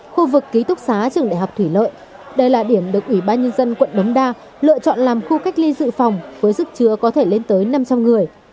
khu vực ký túc xá trường đại học thủy lợi đây là điểm được ủy ban nhân dân quận đống đa lựa chọn làm khu cách ly dự phòng với sức chứa có thể lên tới năm trăm linh người